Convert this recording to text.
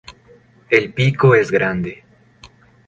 El pico es grande.